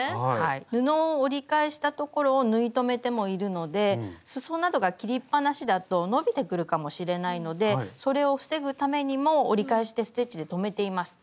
布を折り返したところを縫い留めてもいるのですそなどが切りっぱなしだと伸びてくるかもしれないのでそれを防ぐためにも折り返してステッチで留めています。